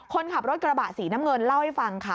คนขับรถกระบะสีน้ำเงินเล่าให้ฟังค่ะ